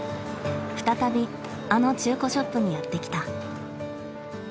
再びあの中古ショップにやって来た。